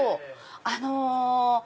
あの。